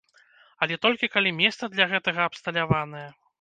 Але толькі калі месца для гэтага абсталяванае.